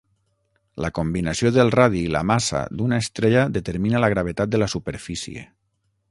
La combinació del radi i la massa d'una estrella determina la gravetat de la superfície.